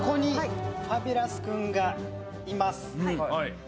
ファビュラス君がいます。